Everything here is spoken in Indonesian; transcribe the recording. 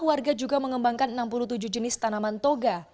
warga juga mengembangkan enam puluh tujuh jenis tanaman toga